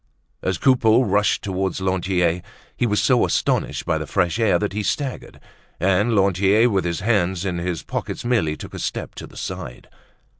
As Coupeau rushed toward Lantier, he was so astonished by the fresh air that he staggered, and Lantier, with his hands in his pockets, merely took a step to the side.